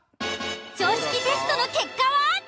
常識テストの結果は？